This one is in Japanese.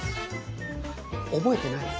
覚えてない？